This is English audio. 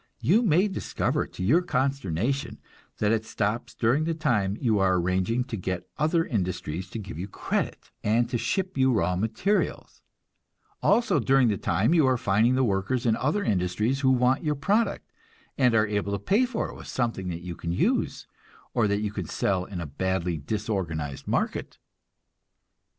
You may discover to your consternation that it stops during the time you are arranging to get other industries to give you credit, and to ship you raw materials; also during the time you are finding the workers in other industries who want your product, and are able to pay for it with something that you can use, or that you can sell in a badly disorganized market.